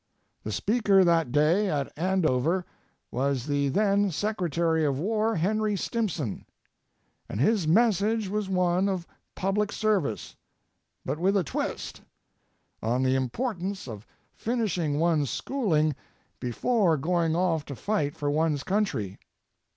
The speaker that day at Andover was the then Secretary of War, Henry Stimson. And his message was one of public service, but with a twistŌĆöon the importance of finishing one's schooling before going off to fight for one's country.